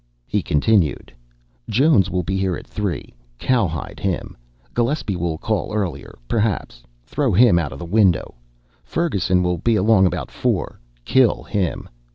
He continued, "Jones will be here at three cowhide him. Gillespie will call earlier, perhaps throw him out of the window. Ferguson will be along about four kill him.